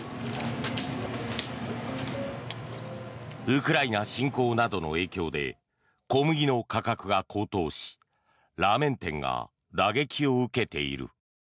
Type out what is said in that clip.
ウクライナ侵攻などの影響で小麦の価格が高騰しラーメン店が打撃を受けている。